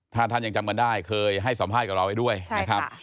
ถ้าท่านยังจำกันได้เคยให้สัมภาษณ์กับเราไว้ด้วยนะครับ